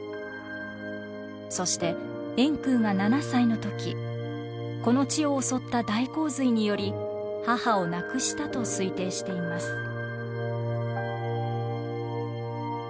そして円空が７歳の時この地を襲った大洪水により母を亡くしたと推定しています。